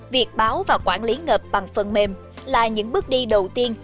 việc báo và quản lý ngập bằng phần mềm là những bước đi đầu tiên